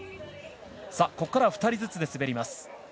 ここからは２人ずつ滑ります。